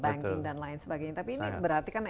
banking dan lain sebagainya tapi ini berarti kan